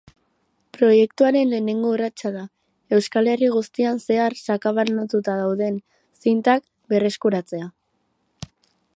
Proiektuaren lehenengo urratsa da, Euskal Herri guztian zehar sakabanatuta dauden zintak berreskuratzea.